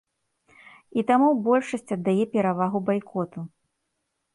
І таму большасць аддае перавагу байкоту.